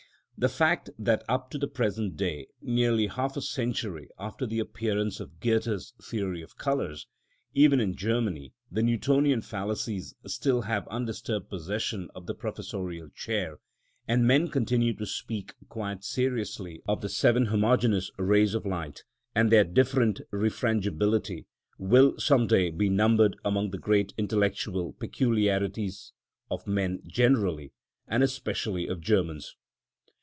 The fact that up to the present day, nearly half a century after the appearance of Goethe's theory of colours, even in Germany the Newtonian fallacies still have undisturbed possession of the professorial chair, and men continue to speak quite seriously of the seven homogeneous rays of light and their different refrangibility, will some day be numbered among the great intellectual peculiarities of men generally, and especially of Germans.